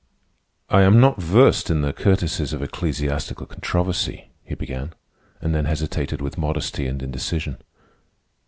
"I am not versed in the courtesies of ecclesiastical controversy," he began, and then hesitated with modesty and indecision.